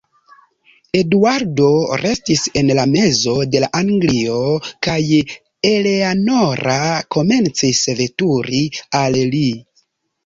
Eduardo restis en la mezo de Anglio, kaj Eleanora komencis veturi al li.